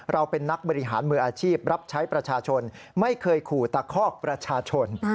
เราเป็นนักบริหารมืออาชีพรับใช้ประชาชนไม่เคยขู่ตะคอกประชาชน